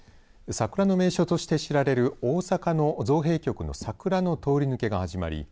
桜の名所として知られる大阪の造幣局の桜の通り抜けが始まり